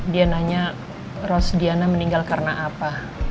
dia nanya rosdiana meninggal karena apa